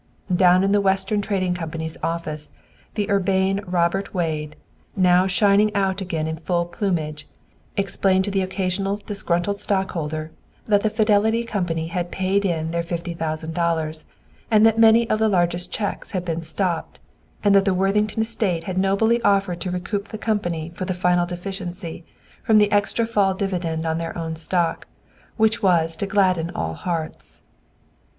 Down in the Western Trading Company's office, the urbane Robert Wade, now shining out again in full plumage, explained to the occasional disgruntled stockholder that the Fidelity Company had paid in their fifty thousand dollars; that many of the largest cheques had been stopped, and that the Worthington Estate had nobly offered to recoup the company for the final deficiency from the extra fall dividend on their own stock, which was to gladden all hearts.